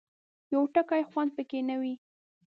یو ټکی خوند پکې نه وي.